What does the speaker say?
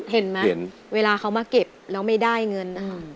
เห็นมั้ยเวลาเขามาเก็บแล้วไม่ได้เงิน